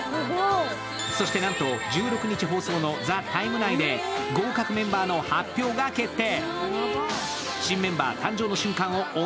そしてなんと、１６日放送の「ＴＨＥＴＩＭＥ，」内で合格メンバーの発表が決定。